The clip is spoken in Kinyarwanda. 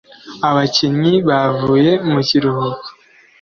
abakinnyi bavuye mu kiruhuko